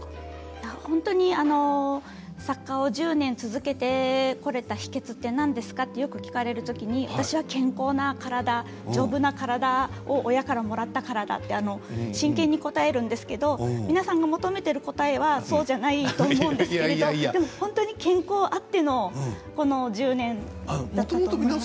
本当に作家を１０年続けてこられた秘けつって何ですか？と聞かれるときに私は健康な体、丈夫な体を親からもらったからだって真剣に答えるんですけど皆さんが求めてる答えはそうじゃないと思うんですけど本当に健康あってのこの１０年だったと思います。